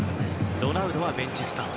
ロナウドはベンチスタート。